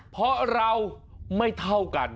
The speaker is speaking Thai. เพราะเราไม่เท่ากัน